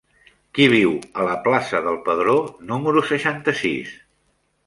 Qui viu a la plaça del Pedró número seixanta-sis?